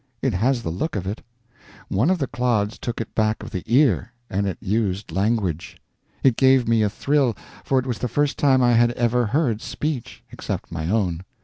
It has the look of it. One of the clods took it back of the ear, and it used language. It gave me a thrill, for it was the first time I had ever heard speech, except my own.